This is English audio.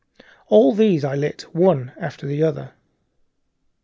All these I lit one after the other.